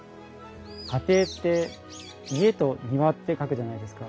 家庭って「家」と「庭」って書くじゃないですか。